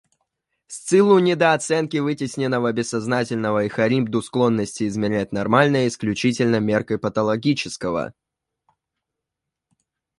Сциллу недооценки вытесненного бессознательного и Харибду склонности измерять нормальное исключительно меркой патологического.